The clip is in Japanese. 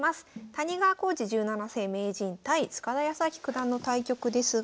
谷川浩司十七世名人対塚田泰明九段の対局ですが。